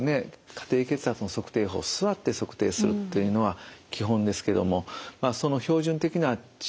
家庭血圧の測定法座って測定するっていうのは基本ですけどもその標準的な治療法